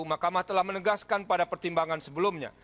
mahkamah telah menegaskan pada pertimbangan sebelumnya